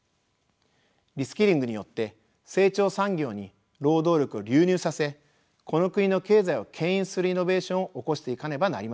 リスキリングによって成長産業に労働力を流入させこの国の経済を牽引するイノベーションを起こしていかねばなりません。